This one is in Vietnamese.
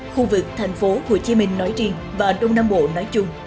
khu vực thành phố hồ chí minh nói riêng và đông nam bộ nói chung